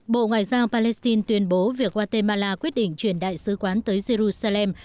bộ ngoại giao palestine tuyên bố việc guatemala quyết định chuyển đại sứ quán tới jerusalem